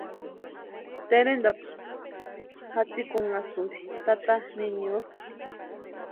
Terentapu jasïkunhasïnti tata niñorhu.